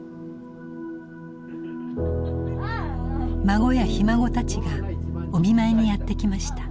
孫やひ孫たちがお見舞いにやって来ました。